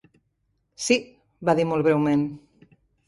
"Sí", va dir molt breument.